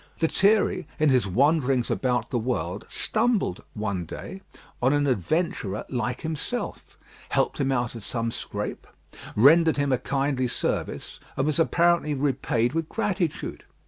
Lethierry, in his wanderings about the world, stumbled, one day, on an adventurer like himself; helped him out of some scrape; rendered him a kindly service, and was apparently repaid with gratitude.